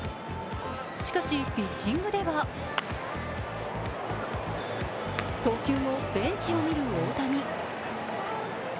しかし、ピッチングでは投球後ベンチを見る大谷。